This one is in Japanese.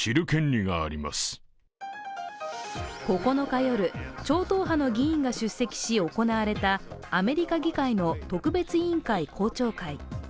９日夜、超党派の議員が出席し、行われたアメリカ議会の特別委員会公聴会。